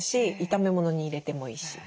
炒め物に入れてもいいし。